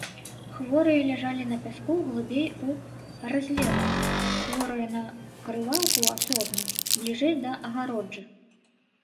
Хворыя ляжалі на пяску глыбей у разлегласць, хворыя на крываўку асобна, бліжэй да агароджы.